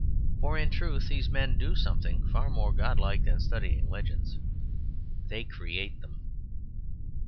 For in truth these men do something far more godlike than studying legends; they create them.